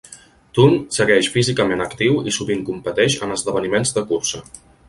Thune segueix físicament actiu i sovint competeix en esdeveniments de cursa.